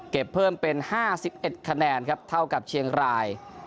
เพิ่มเป็น๕๑คะแนนครับเท่ากับเชียงราย